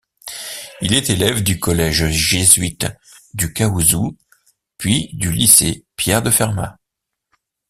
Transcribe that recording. Il est élève du collège jésuite du Caousou puis du Lycée Pierre-de-Fermat.